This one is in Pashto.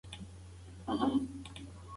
ما هغې ته د خپلې اوسېدو د سیمې پته ورکړه.